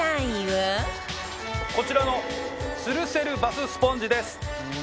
こちらの吊るせるバススポンジです。